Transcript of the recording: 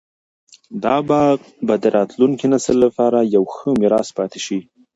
دا باغ به د راتلونکي نسل لپاره یو ښه میراث پاتې شي.